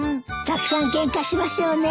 たくさんケンカしましょうね！